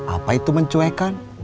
apa itu mencuekan